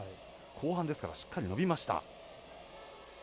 後半、ですからしっかり伸びました。